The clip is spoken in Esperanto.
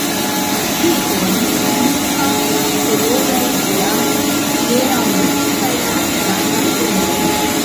Kion signifas la koloraj flamoj hieraŭ nokte kaj la stranga sonĝo?